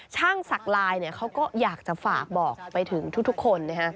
ช่างสักลายเนี่ยเขาก็อยากจะฝากบอกไปถึงทุกคนนะคะ